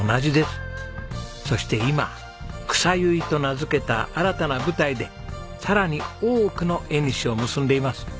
そして今「草結い」と名付けた新たな舞台でさらに多くの縁を結んでいます。